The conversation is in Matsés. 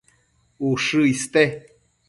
Ushë iste